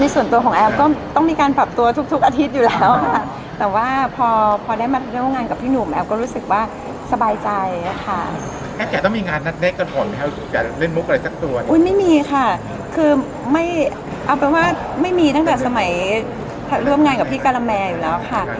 เอ่อเป่อก่อนค่ะสมัยเริ่มงานกับผู้การกรรมแมงอยู่แล้วค่ะ